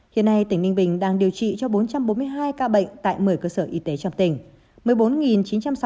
hiện nay tỉnh ninh bình đang điều trị cho bốn trăm bốn mươi hai ca bệnh tại một mươi cơ sở y tế trong tỉnh